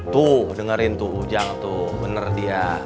tuh dengerin tuh ujang tuh bener dia